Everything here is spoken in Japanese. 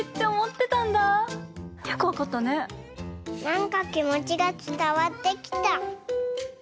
なんかきもちがつたわってきた。